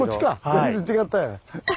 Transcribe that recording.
全然違ったよ。